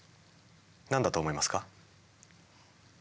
何だと思いますか？